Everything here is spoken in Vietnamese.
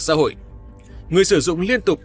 xã hội người sử dụng liên tục